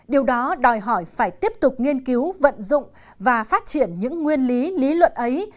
điều đó đòi hỏi phải tiếp tục nghiên cứu vận dụng và phát triển những nguyên lý lý luận ấy